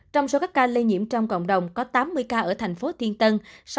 trong số các ca lây nhiễm trong cộng đồng có tám mươi ca ở thành phố thiên tân